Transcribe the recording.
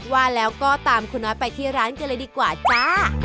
ว่าแล้วก็ตามคุณน้อยไปที่ร้านกันเลยดีกว่าจ้า